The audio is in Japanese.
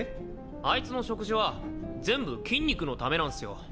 あいつの食事は全部筋肉のためなんスよ。